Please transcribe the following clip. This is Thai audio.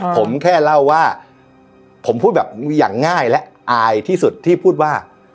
ผมแค่เล่าว่าผมพูดแบบอย่างง่ายและอายที่สุดที่พูดว่า